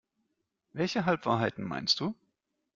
Welche Halbwahrheiten meinst du?